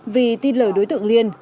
vì tin lời đối tượng liên